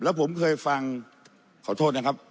แล้วผมเคยฟังขอโทษนะครับ